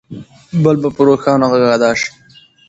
بل به په روښانه غږ ادا شي.